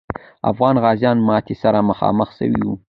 افغاني غازیان ماتي سره مخامخ سوي وو.